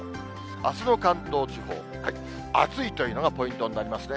あすの関東地方、暑いというのがポイントになりますね。